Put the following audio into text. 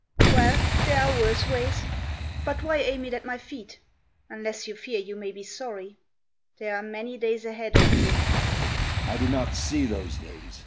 ... Well, there are worse ways. But why aim it at my feet unless you fear you may be sorry. ... There are many days ahead of you."